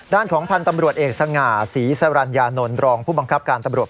ด้านของพันธ์ตำรวจเอกสง่าศรีสรรญานนท์รองผู้บังคับการตำรวจ